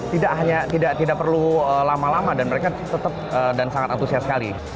tidak hanya tidak perlu lama lama dan mereka tetap dan sangat antusias sekali